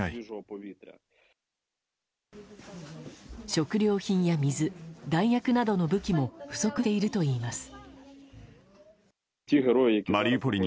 食料品や水、弾薬などの武器も不足しているといいます。